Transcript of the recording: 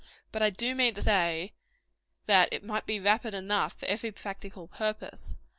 But I do mean to say, that it might be rapid enough for every practical purpose.